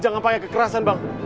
jangan pake kekerasan bang